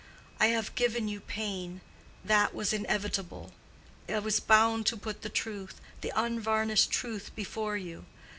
"I have given you pain. That was inevitable. I was bound to put the truth, the unvarnished truth, before you.